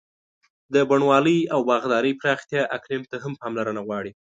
د بڼوالۍ او باغدارۍ پراختیا اقلیم ته هم پاملرنه غواړي.